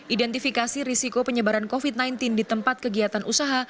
identifikasi risiko penyebaran covid sembilan belas di tempat kegiatan usaha